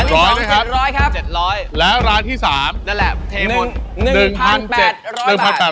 ๗๐๐นะครับ๗๐๐ครับ๗๐๐แล้วร้านที่๓นั่นแหละเทมน